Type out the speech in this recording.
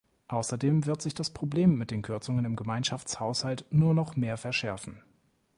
Außerdem wird sich das Problem mit den Kürzungen im Gemeinschaftshaushalt nur noch mehr verschärfen.